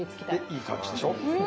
いい感じでしょ？